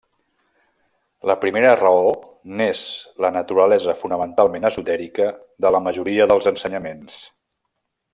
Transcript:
La primera raó n'és la naturalesa fonamentalment esotèrica de la majoria dels ensenyaments.